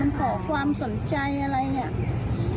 ขอความสนใจอะไรอย่างนี้